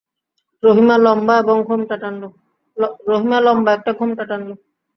রহিমা লম্বা একটা ঘোমটা টানল।